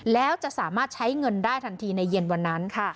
แล้วจะสามารถใช้เงินได้ทันทีในเย็นวันนั้นค่ะ